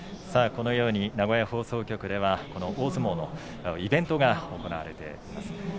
このように名古屋放送局では大相撲のイベントが行われています。